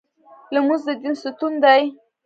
لمونځ د دین ستون دی